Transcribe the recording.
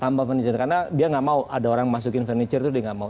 tanpa furniture karena dia nggak mau ada orang masukin furniture itu dia nggak mau